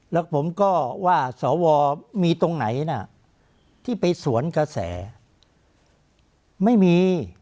แล้วผมก็ว่าสวมีตรงไหนนะที่ไปสวนกระแสไม่มี